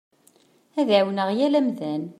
Ad ɛiwneɣ yal amdan.